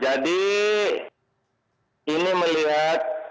jadi ini melihat